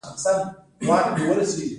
غږ یې لوړ دی.